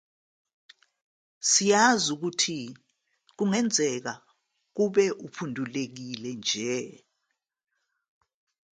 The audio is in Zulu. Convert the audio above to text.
Siyazi ukuthi kungenzeka kube uphundulekile nje.